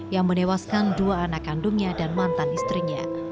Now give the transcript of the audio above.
yang menewaskan dua anak kandungnya dan mantan istrinya